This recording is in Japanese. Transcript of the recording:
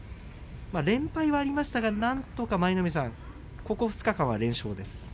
連敗はありましたが、なんとかここ２日間は連勝です。